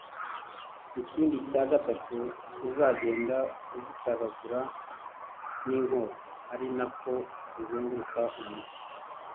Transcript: Ikindi cya gatatu uzagende ugicagagura n’inkota ari na ko uzenguruka umugi